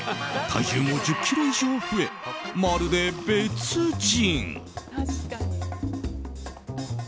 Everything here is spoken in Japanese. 体重も１０ｋｇ以上増えまるで別人。